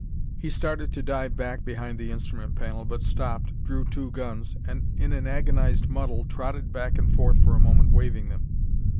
He started to dive back behind the instrument panel, but stopped, drew two guns, and in an agonized muddle trotted back and forth for a moment, waving them.